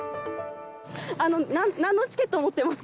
なんのチケットを持ってます